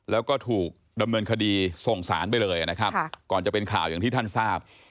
แล้วก็ถูกดำเนินคดีส่งสารไปเลยนะครับก่อนจะเป็นข่าวอย่างที่ท่านทราบ